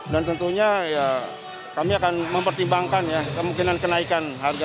dan tentunya ya kami akan mempertimbangkan ya kemungkinan kenaikan harga